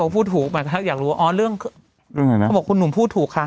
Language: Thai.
คือเขาบอกว่าคุณหนุ่มพูดถูกค่ะ